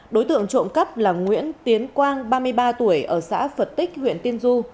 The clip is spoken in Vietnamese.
đối tượng trộm cắp là nguyễn tiến quang ba mươi ba tuổi ở xã phật tích huyện tiên du